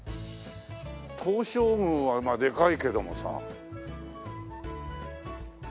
東照宮はまあでかいけどもさ。